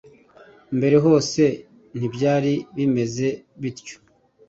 mbere hose ntibyari bimeze bityo